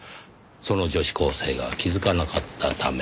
その女子高生が気づかなかったため。